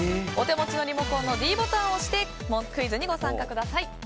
お手持ちのリモコンのｄボタンを押してクイズにご参加ください。